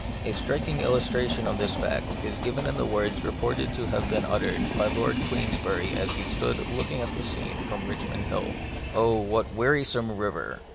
A striking illustration of this fact is given in the words reported to have been uttered by Lord Queensbury as he stood looking at the scene from Richmond Hill :—" Oh, that wea 48 The Mystery of Pain. risome river!